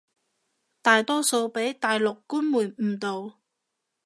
大多數畀大陸官媒誤導